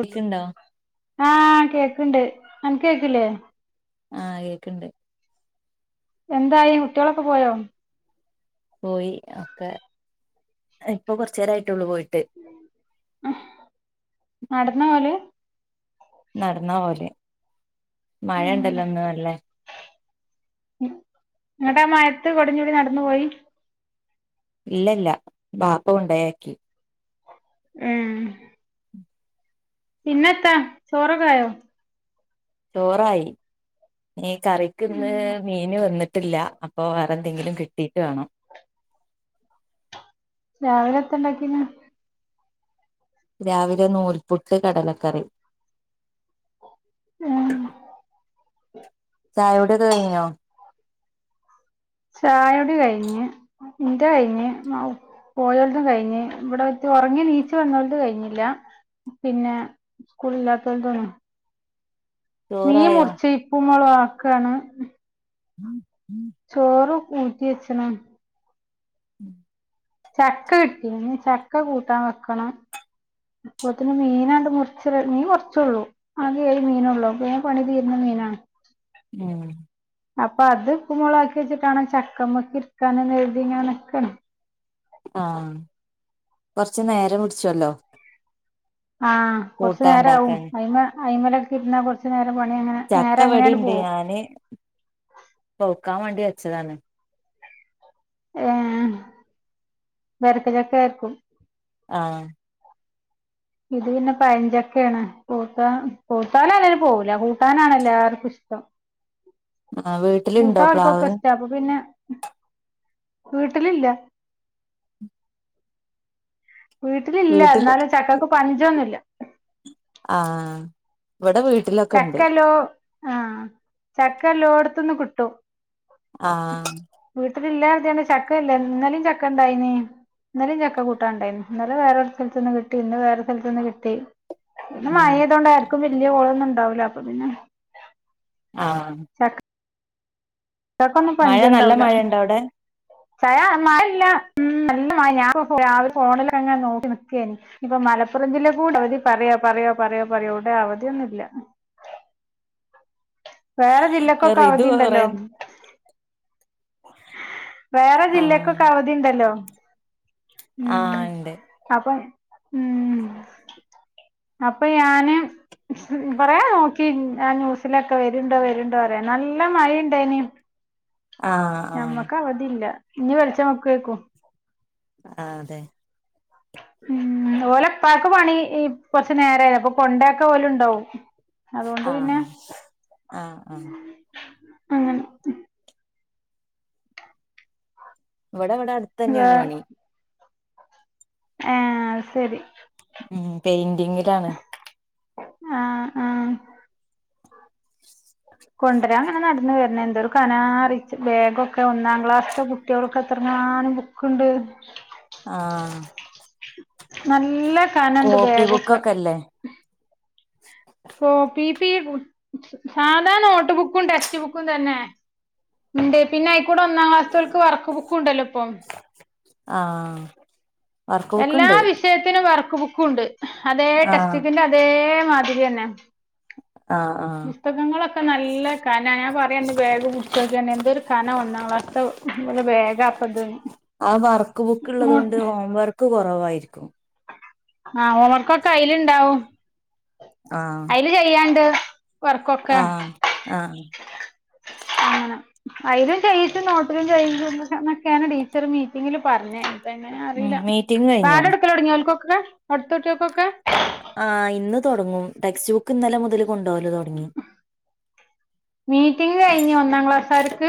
കേക്ക്‌ണ്ടോ ആ കേക്കണ്ട് അനക്ക്‌ കേക്ക്‌ലേ ആ കേക്ക്‌ണ്ട്. എന്തായി കുട്ടികളൊക്കെ പോയോ? പോയി ഒക്കെ ഇപ്പൊ കുറച്ചേരായിട്ടുള്ളൂ പോയി നടന്നാ പോവല്? നടന്നാ പോവല്. മഴ ഉം ഇണ്ടല്ലോ ഇന്ന് നല്ലേ? ഇങ്ങട്ടാ മയത്ത് കൊടിം ചൂടി നടന്നു പോയീ? ഇല്ലല്ല ബാപ്പ കൊണ്ടോയാക്കി. ഉം പിന്നെത്താ ചോറക്കൊ ആയോ ചോറായി. ഏ കറിക്ക്ന്ന് മീന് വന്നിട്ടില്ല അപ്പൊ വേറെ എന്തെങ്കിലും കിട്ടിയിട്ട് വേണം. രാവിലെ എത്താ ഇണ്ടാക്കീന്? രാവിലെ നൂൽപുട്ട് കടലക്കറി. ഉം ചായ കുടിയൊക്കെ കയ്ഞ്ഞോ? ചായ കുടി കഴിഞ്ഞ് ഇൻ്റെ കഴിഞ്ഞ്, പോയോൽതും കഴിഞ്ഞ്, ഇവിടെ [unintelligible] ഒറങ്ങി ണീച്ച് വന്നോ ൽത് കഴിഞ്ഞില്ല, പിന്നെ സ്കൂളില്ലാത്തോൽതൊന്നും. മീൻ ചോറായോ മുറിച്ച് [unintelligible] മൊളകാക്കാണ്. ചോറ് ഊറ്റി വെച്ച്ണ്. ഉം ചക്ക കിട്ടി ഇനീ ചക്ക കൂട്ടാൻ വെക്കണം അപ്പതന്നെ മീനണ്ട് മുറച്ച് മീൻ കുറച്ചുള്ളൂ ആകെ ഏഴ് മീനുള്ളൂ വേം പണി തീരണ മീനാണ് ഉം അപ്പൊ അത് ഉപും മൊളാക്കി വെച്ചിട്ടാണ ചക്കമ്മൊക്കെ ഇരിക്കാനന്ന് കരുതിങ്ങാനെ നികണ് ആഹ് കൊറച്ച് നേരം പുടിച്ചല്ലോ ആഹ് കൊറച്ചു നേരാവും അയിമ അയിമലക്കെ ഇരുന്ന കുറച്ച് നേരം പണി അങ്ങനെ നേരം അങ്ങനെയാണ്ട് ചക്കവിടിണ്ട് പോവും ഞാന് പോക്കാൻ വേണ്ടി വച്ചതാണ് ഏ വരക്ക ചക്കായിരിക്കും ആഹ് ഇത് പിന്നെ പയഞ്ചക്കെയാണ് കൂട്ട കൂട്ടാലും [unintelligible] പോവുല കൂട്ടാനാണ് എല്ലാവർക്കും ഇഷ്ടം ആഹ് വീട്ടിലുണ്ടോ കൂട്ടാൻ ഓൽക്കൊക്കെ പ്ലാവ് ഇഷ്ട അപ്പൊ പിന്നെ വീട്ടിലില്ല വീട്ടിലില്ല വീട്ടില് എന്നാലും ചക്കക്ക് പഞ്ജൊന്നുല്ല ആഹ് ഇവിടെ വീട്ടിലൊക്കെ ഉണ്ട് ചക്കലോ ആഹ് ചക്ക എല്ലോടത്തുന്ന് കിട്ടും ആഹ് ഇല്ലായിണ്ട് ചക്ക ഇല്ല ഇന്നലും ചക്കണ്ടായിനീ ഇന്നലും ചക്ക കൂട്ടാൻണ്ടായി ഇന്നല വേറെ സ്ഥലത്ത് നിന്ന് കിട്ടി ഇന്ന് വേറെ സ്ഥലത്ത് നിന്ന് കിട്ടി ഇന്ന് ഉം മഴേയ്തോണ്ടാര്ക്കും വ ല്യ കോളൊന്നും ഉണ്ടാവൂലാ. അപ്പം പിന്നെ ആഹ് ചക്കക്കൊന്നും മഴ നല്ല മഴ ഇണ്ടൊ അവിടെ? ചായ മഴ ല്ല. ഉം നല്ല മഴ ഞാൻ ഇപ്പം രാവിലെ ഫോണിലങ്ങനെ നോക്കി നിക്കേനി. ഇഞ് ഇപ്പം മലപ്പുറം ജില്ലക്കും കൂടി അവധി പറയോ പറയോ പറയോ പറയോ എവ്ടെ അവധിയൊന്നൂല്ല. വേറെ ജില്ലക്കൊക്കെ റിതു അവധി കൊറേ ണ്ടല്ലോ വേറെ ആഹ് ജില്ലക്കൊക്കെ അവധിണ്ടല്ലോ ഉം ആഹ് ഉണ്ട് അപ്പം ഉം അപ്പൊ ഞാന് കൊറേ നോക്കി. ആ ന്യൂസിലൊക്കെ വര്ണ്ടോ വര്ണ്ടോ അറിയാൻ. നല്ല മഴണ്ടേനീ. ആഹ് ആഹ് ഞമ്മക്ക് അവധില്ല. ഇനി വെൾച്ച് വെക്കേക്കൂം ആഹ് അതെ ഉം ഓലപ്പാക്ക് പണി കൊറച്ചു നേരായി. അപ്പൊ കൊണ്ടയാക്കാൻ ഓല് ഉണ്ടാവും. ആഹ് ആഹ് ആഹ് അങ്ങനെ ഇവടെ ഇവടെ വേ അടുത്തന്ന്യാണ് പണി. ഏഹ് അഹ് സരി ഉം പെയിന്റിങ്ങിലാണ് ആഹ ആഹ കൊണ്ടരാൻ അങ്ങനെ നടന്ന് വരണണ്ട് എന്തോരു കനാ അറിച്ച് ബ്യഗൊക്കെ ഒന്നാം ക്ലാസ്സത്തെ കുട്ടികൾക്ക് ഒക്കെ എത്രങ്ങാനും ബുക്കണ്ട്. ആഹ നല്ല എല്ല കാനണ്ട് ബ്യഗൊക്കെ ബുക്കൊക്കെ അല്ലേ [unintelligible] കോ പി പി കും സാധാരണ നോട്ട് ബുക്കും ടെക്സ്റ്റ് ബുക്കും തന്നെ ഉണ്ട് പിന്നെ കൂടെ ഒന്നാം ക്ലാസ്സ്‌കൾക്ക് വർക്ക് ബുക്ക് ഉണ്ടല്ലോ ഇപ്പം. ആഹ എല്ലാ വിഷയത്തിനും വർക്ക് ബുക്ക് ഉണ്ട്. അതേ ആഹ് ടെസ്റ്റക്കിന്റെ അതേ മാതിരിയന്നെ ആഹ് ആഹ് പുസ്തകങ്ങളൊക്കെ നല്ല ഖന ഞാൻ പറയാന്ന് വേഗ പുസ്തകന്നെ എന്തൊരു ഖന ഒന്നാം ക്ലാസ്സിത്തെ നല്ല ബേഗ അപ്പത് ആ വർക്ക് ബുക്ക് ഉള്ളത് കൊണ്ട് ഹോം വർ വർക്ക്‌ കുറവായിരിക്കും. ആ ഹോവർക്കൊക്കെ അയ്ല്ണ്ടാവും. അയില് ചെയ്യാണ്ട് വർക്കൊക്കെ ആ ആ അയിലും ചെയ്യിച്ചും നോട്ടിലും ചെയ്യിച്ചും എന്നൊക്കെയാണ് ടീച്ചർ മീറ്റിങ്ങിൽ പറഞ്ഞെ ഉം മീറ്റിംഗ് കഴിഞ്ഞോ [unintelligible] അടുത്ത കുട്ടികൾക്കൊക്കെ ആ ഇന്ന് തുടങ്ങും ടെക്സ്റ്റ് ബുക്ക് ഇന്നലെ മുതൽ കൊണ്ടോവല് തൊടങ്ങി [inaudible] മീറ്റിംഗ് കഴിഞ്ഞു ഒന്നാം ക്ലാസുകാർക്ക്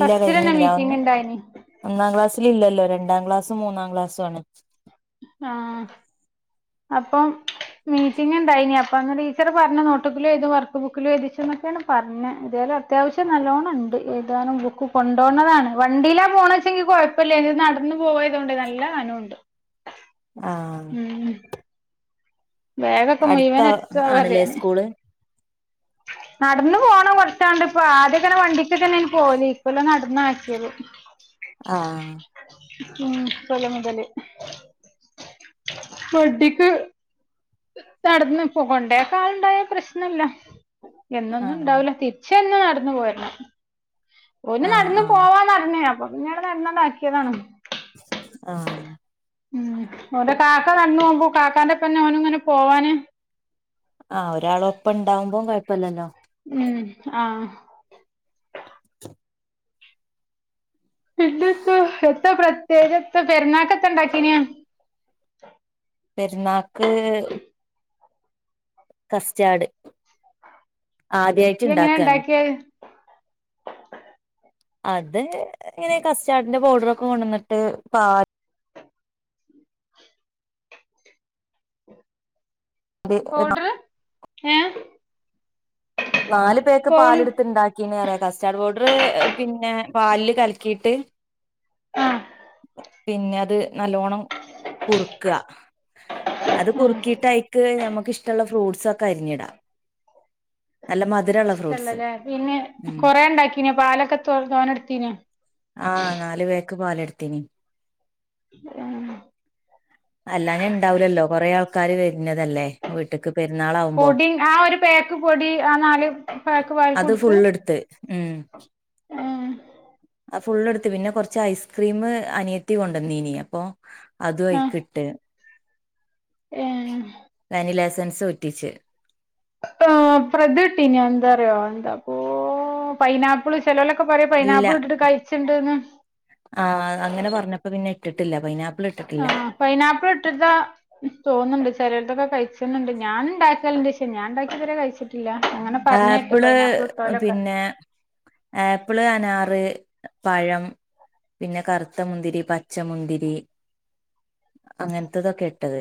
ഇല്ല ഫസ്റ്റില്ലെന്നേ കഴിഞ്ഞില്ല മീറ്റിംഗ് ഇണ്ടായിരുന്നു ഒന്നാം ക്ലാസ്സിൽ ഇല്ലല്ലോ രണ്ടാം ക്ലാസ്സും മൂന്നാം ക്ലാസ്സുംആണ് ആ അപ്പം മീറ്റിംഗ് ഇണ്ടായിനി അപ്പാ ടീച്ചർ പറഞ്ഞു നോട്ടപ്പുള്ളിയായി വർക്ക് ബുക്കിലും എഴുതിച്ചെന്ന് പറഞ്ഞെ ഇതേപോലെ അത്യാവശ്യം നല്ലോണണ്ട് എഴുതാനും ബുക്ക് കൊണ്ടുപോണതാണ് വണ്ടിയിലാ പോണന്ന് വെച്ച കുഴപ്പമില്ല ഇത് നടന്നു പോയതുകൊണ്ട് നല്ല സ്ഥലമുണ്ട്. ആ ബാഗൊക്കെ മുഴുവൻ [unintelligible] മതി ആണ്ല്ലേ സ്കൂള് നടന്ന് പോണം കൊറച്ചാണ്ട് ഇപ്പൊ ആദ്യങ്ങനെ വണ്ടി ഒറ്റകന്നെ പോകല് [unintelligible] ഇന്ന ആക്കിയത് ആഹ് ഉം ഇക്കൊല്ലം മുതല് നടന്നു പോകണ്ടേക്കാലണ്ടായാ പ്രശ്നം ഇല്ല എന്നൊന്നും ആഹ് ഉണ്ടാവൂല തിരിച്ച് ഇയ്യന്നെ നടന്നു പോരണം ഓൻ ആഹ് നടന്ന് ആഹ് പോവാ പറഞ്ഞയ അപ്പൊ നിങ്ങള് തര്ന്ന ഇണ്ടാക്കിയതാണോ ആ മ് ഓന്റെ കാക്ക നടന്ന് പോവുമ്പം കാക്കാന്റെപ്പം തന്നെ ഓനും ഇങ്ങനെ പോവാന് ആഹ ഒരാള് ഒപ്പം ഇണ്ടാവുമ്പോ കുഴപ്പല്യല്ലോ മ് ആ പിന്നെന്താ എത്താ പ്ര വേറെത്താ പെരുന്നാക്കത്ത ഇണ്ടാക്കീഞ്ഞ് പെരുന്നാക്ക് കസ്റ്റാർഡ് [unintelligible] ഇയ്യ് എങ്ങനെ ഇണ്ടാക്കാണ് ഇണ്ടാക്കിയേ അത് ഇങ്ങനെ കസ്റ്റാഡിന്റെ പൗഡറൊക്കെ കൊണ്ട് വന്നിട്ട് പാല് [unintelligible] അറിയ [unintelligible] ഐ നാല് പേക്ക്‌ പാലെട്ത്ത് ഇണ്ടാക്കീഞ്ഞ് പറ കസ്റ്റാർഡ് പൗഡർ പൗഡർ പിന്നെ പാലിൽ കലക്കീട്ട് ആ പിന്നെ അത് നല്ലോണം കുറുക്കാ അത് ആ കുറുക്കിട്ട് അയ്ക്ക് ഞമ്മക്ക് ഇഷ്ടോള്ള ഫ്രൂട്ട്സെക്കെ അര്ഞ്ടാ ഇഷ്ടള്ളല്ലേ പിന്നെ ഉം കൊറേ ഇണ്ടാക്കീനോ പാലൊക്കെ തോനെ ഇട്ത്തിനോ പാലെട്ത്നി ആ അല്ലാഞ്ഞ ഇണ്ടാവ്ല്ലല്ലോ കൊറേ ആൾക്കാര് വര്ന്നതല്ലേ വീട്ട്ക്ക് പെരുന്നാളാവുമ്പോ പൊടി ആ ഒരു പേക്ക് പൊടി ആ നാല് പേക്ക് അത് പാൽക്കും ഇട്ത്ത് ഫുള്ളെടുത്ത് ഉം ഹേ ഫുള്ള് എട്ത്ത് പിന്നെ കൊർച്ച് ഐസ്ക്രീം അനിയത്തി കൊണ്ടാന്നീനി അപ്പൊ അതും ആ അയ്ക്ക്‌ട്ട് ഏ വനിലാ എസൻ സെൻസ് ഉറ്റിച്ച് ഹേ പ്രെത ഇട്ടീനോ എന്താറയോ എന്താപ്പോ പൈനാപ്പ്ള് ചെലൊലോക്കെ പറയും പൈനാപ്പിള് ഇട്ടിട്ട് കഴിച്ച്ണ്ട്ന്ന് ആ അങ്ങനെ പറഞ്ഞപ്പം പിന്നെ ഇട്ട്ട്ടില്ല ആ പൈനാപ്പിള് ഇട്ട്ട്ടാ തോന്ന്ണ്ട് ചെലോൽത്തൊക്കെ കഴിച്ച്ണ്ട് ഞാന് ഇണ്ടാക്കല്ണ്ട് ക്ഷേ ഞാൻ ഇണ്ടാക്കിയത് ഇതുവരെ കഴിച്ച് ആപ്പ്ള് പിന്നെ ആപ്പ്ള് അനാറ് പഴം, പിന്നെ കറുത്ത മുന്തിരി, പച്ചമുന്തിരി, അങ്ങൻത്തതൊക്കെ ഇട്ടത്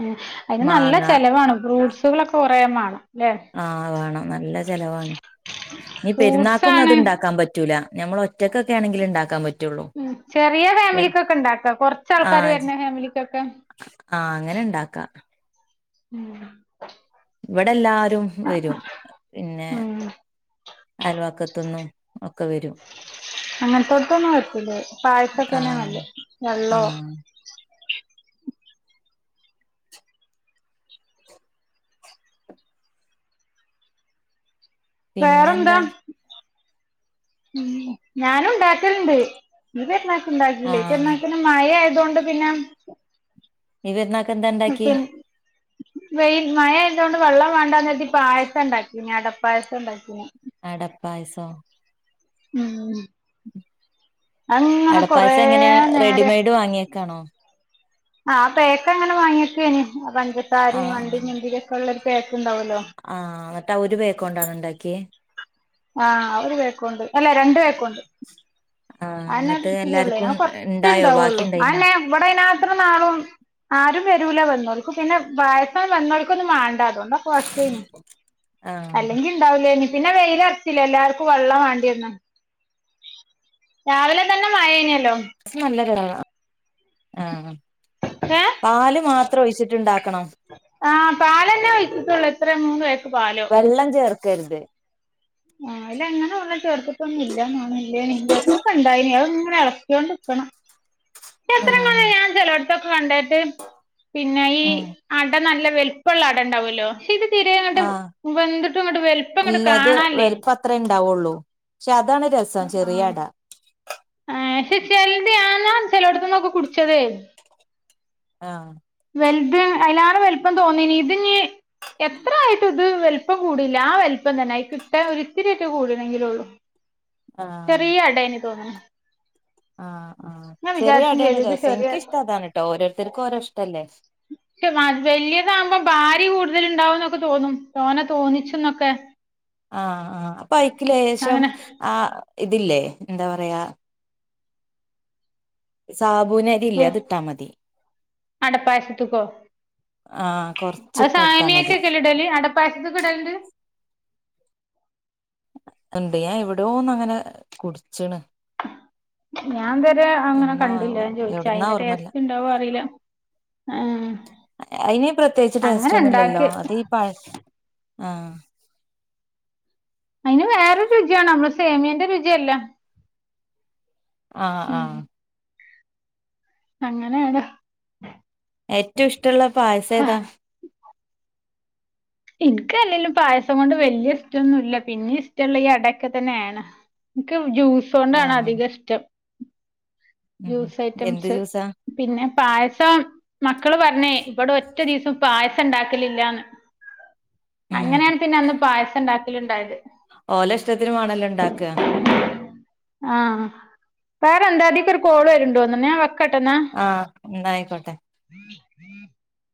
മ് അതിന് നല്ല മാങ്ങ ചെലവാണ് ഫ്രൂട്ട്സ് കളൊക്കെ കൊറേ മാണം. ആഹ് വേണം. നല്ല ചെലവാണ്. ഇനി ഫ്രൂട്ട്സ് പെരുന്നാക്കൊന്നും ആണ് അതുണ്ടാക്കാൻ പറ്റൂല. ഞമ്മള് ഒറ്റക്കൊക്കേണെങ്കില് ഇണ്ടാക്കാൻ പറ്റ് മ് ചെറിയ ഫാമിലിക്കൊക്കെ ഉണ്ടാക്കാം. കൊറച്ച ആൾക്കാര് ആഹ് വര്ണ ഫാമിലിക്കൊക്കെ ആഹ് അങ്ങനെ ഇണ്ടാക്കാ ഉം ഇവടെല്ലാ രും വരും. പിന്നെ ഉം അയൽവക്കത്ത്ന്നും ഒക്കെ വരും. അങ്ങനത്തോടത്തൊന്നും പറ്റൂല പായസൊക്കെ ആ തന്നെ നല്ലേ ആ വെള്ളോ പിന്നെ എന്താ? മ് ഞാനുണ്ടാക്കലണ്ട്. ഈ പെരുന്നാക്ക് ഉണ്ടാക്കിലേയ്. ആഹ് പെരുന്നാക്ക് പിന്നെ മഴയായത് എന്തോണ്ട് പിന്നെ? ഈ പെരുന്നാക്ക് എന്താണ്ടാക്ക്യേ? പി വെയിൽ മഴ ആയതോണ്ട് വെള്ളം വേണ്ടാന്നരുതി പായസം ണ്ടാക്കിന് അടപ്പായസം ണ്ടാക്കിന്. അടപ്പായസോ? ഉം അങ്ങനെ കൊറേ അടപ്പായസം എങ്ങനെയാ നേരം റെഡിമെയ്ഡ് വാങ്ങിയേക്കാണോ? ആ പേക്കങ്ങനെ വാങ്ങിയേക്കാണ്. ആ പഞ്ചസാരേം ആഹ് അണ്ടീം മുന്തിരീം ഒക്കെ ഉള്ളത് [unintelligible] ണ്ടാവല്ലോ? ട്ടാ ആ ഒരു പേക്കോണ്ടാണോ ഇണ്ടാക്ക്യേ? ആഹ് ഒരു പേക്കോണ്ട്. അല്ല രണ്ട് പേക്കോണ്ട്. ആഹ് അയിനകത്ത് എന്നിട്ട് ഇത്തിരിള്ളൂ. ആ എല്ലാർക്കും ഇണ്ടായോ ബാക്കി കൊറച്ചേണ്ടാവുള്ളൂ. ഇണ്ടായിനോ അതന്നെ ഇവിടെ അയിനാത്രാത്തൊന്നും ആളും ആരും വരൂല വെൽ ഓൽക്ക് പിന്നെ പായസം വന്നോര്ക്കൊന്നും വേണ്ടാ അതോണ്ടാ കൊറച്ചേനു. ആഹ് അല്ലെങ്കി ഇണ്ടാവൂലേനു. പിന്നെ വെയിലറച്ചില്ലേ? എല്ലാർക്കും വെള്ളം വേണ്ടിവന്നെ രാവിലെ തന്നെ മഴേനറി [unintelligible] നല്ലതാ അപ് ആഹ് ഏഹ് പാല് മാത് ത്രെ ഒയിച്ചിട്ട്ണ്ടാ ക്കണോ? ആഹ് പാലന്നെ ഒയിച്ചിട്ടുള്ളൂ. എത്ര മൂന്ന് എട് വെള്ളം ചേർക് ക്കരുത് ആഹ് ഇല്ല അങ്ങനെയുള്ള ചേർത്തിട്ടൊന്നും ഇല്ലന്നാണ്. ഇല്ലേനി ചെലപ്പൊക്കെണ്ടായിനി. ഇങ്ങനെ ഇളക്കിയോണ്ട്ക്കണം ഉം എത്രങ്ങാനാ ഞാൻ ചെലോട് ഇതൊക്കെ കണ്ടായിട്ട് പിന്നെ ഈ ഉം അട നല്ല വലിപ്പുള്ള അടണ്ടാവല്ലോ? പക്ഷേത് തീരെ അങ്ങട്ട് ആഹ് വെന്തിട്ടും ഇങ്ങട്ട് വലുപ്പം ഇങ്ങട്ട് കാണാല്ലെ പ്പത്രെ ഉണ്ടാവുള്ളൂ. പക്ഷെ അത് താണ് സം ചെറിയട ആഹ് ക്ഷേ ചെലത്യാന ചെലയിടത്തന്നൊക്കെ കുടിച്ചതേ ആഹ് ചെൽത് അയ്ലാറെ വൽപ്പം തോന്നീനി. ഇതിനി എത്ര ആയിട്ടും ഇത് വലുപ്പം കൂടില്ല, ആ വലുപ്പം തന്നെ. അയ്കിട്ട ഒരിത്തിരിയേറ്റെ കൂടീനെങ്കിലൊള്ളു. ആഹ് ചെറിയ അടേയിനി തോന്നണ് ആഹ് ആ ചെറിയ വിചാരിച്ചും അടയാണ് ചെയ്തു ഇത് രസം ചെറിയ ഇൻക്ക് ഇഷ്ടം അതാണ് ട്ടോ ഓരോരുത്തർക്കും ഓരോ ഇഷ്ടല്ലേ വെല്യതാവുമ്പോ വാരി കൂടുതൽ ഉണ്ടാവുംന്നൊക്കെ തോന്നും തോനെ തോന്നിച്ചുംന്നൊക്കെ ആഹ് ആഹ് പ്പയ്ക്ക് ലേഷം ആ ഇതില്ലേ എന്താ പറയാ സാബുനരില്ലേ അതിട്ടാ മതി അടപ്പായസത്ത്ക്കോ ആഹ് അത് കൊറച്ചിട്ടൊടുത്താ മതി സാമിയൊക്കൊക്കല്ലേ ഇടല് അടപ്പായസത്ത്ക്ക് ഇടലിണ്ട്? ഉണ്ട് ഞാൻ എവിടെയോ ഒന്ന് അങ്ങനെ കുടിച്ച്ണ് ഞാൻ ഇത് വരെ അങ്ങനെ എന്നോ കണ്ടില്ല ഞാൻ ചോയിച്ചേ എവിടുന്നാ അയ്ന്റെ ഓർമ്മല്ല ടേസ്റ്റ് ഇണ്ടാവോ അറീല ആ അയിന് പ്രത്യേകിച്ച് ടേസ്റ്റ് അങ്ങനെ ഇണ്ടാക്ക ഒന്നുല്ലല്ലോ അത് ഈ പഴ ആഹ് അയിന് വേറൊരു രുചിയാണ് നമ്മള് സേമിയന്റെ രുചിയല്ല ആഹ് ആഹ് അങ്ങനെയാട ഏറ്റവും ഇഷ്ടം ട്ടുള്ള പായസ ഏതാ? ഇൻക്കല്ലെലും പായസം കൊണ്ട് വല്യ ഇഷ്ടൊന്നുല്ല പിന്നെ ഇഷ്ടമുള്ള ഈ അടൊക്കെ തന്നേണ് ൻക്ക് ആഹ് ജ്യൂസോണ്ടാണ്അധികം ഇഷ്ടം ഉം ജ്യൂസ് എന്ത് ഐറ്റംസ്. ജ്യൂസാ പിന്നെ പായസം മക്കള് പർഞ്ഞേ ഇബടെ ഒറ്റാരീസും പായസം ഇണ്ടാക്കലില്ലാന്ന് ഉം അങ്ങനേണ് പിന്നെ അന്ന് പായസണ്ടാ ക്കല് ണ്ടായത്. ഓലെ ഇഷ്ടത്തിന് വാണല്ലോ ഇണ്ടാക്ക ആഹ് പേറെ എന്താ ദീ ക്കൊര് കോൾ വര്ണ്ട് തോന്ന്ണ് ഞാൻ വെ ആഹ് ഉണ്ടായിക്കോട്ടെ [unintelligible]